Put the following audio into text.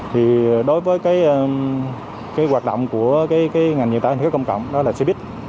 thì đối với cái hoạt động của cái ngành dự tải công cộng đó là xe buýt